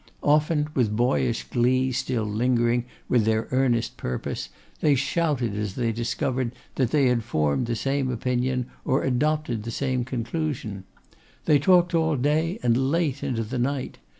Often, with boyish glee still lingering with their earnest purpose, they shouted as they discovered that they had formed the same opinion or adopted the same conclusion. They talked all day and late into the night.